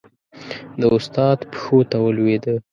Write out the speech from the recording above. د استاد پښو ته ولوېده.